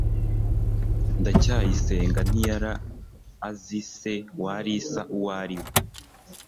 ndacyayisenga ntiyari azi se wa alice uwo ari we